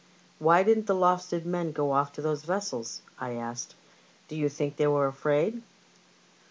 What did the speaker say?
" Why didn't the Lowestoft men go off to those vessels ?" I asked. '* Do you think they were afraid